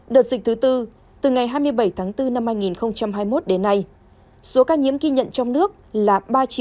đợt dịch thứ tư từ ngày hai mươi bảy tháng bốn năm hai nghìn hai mươi một đến nay số ca nhiễm ghi nhận trong nước là ba hai trăm một mươi một tám trăm bốn mươi chín